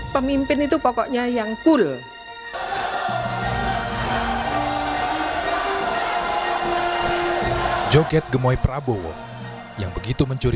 pemimpin itu pokoknya yang cool